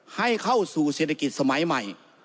ให้เข้าสู่เศรษฐกิจสมัยใหม่